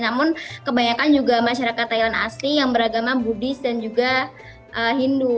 namun kebanyakan juga masyarakat thailand asli yang beragama buddhis dan juga hindu